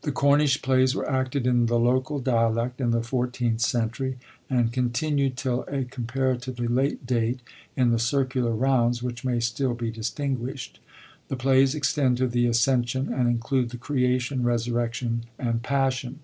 The Cornish Plays were acted in the local dialect in the fourteenth century, and continued till a compara tively late date, in the circular rounds which may still be disting^isht. The plays extend to the Ascension and include the Creation, Resurrection and Passion.